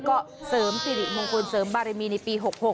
ก็เสริมสิริมงคลเสริมบารมีในปี๖๖